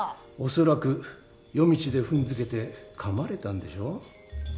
恐らく夜道で踏んづけてかまれたんでしょ？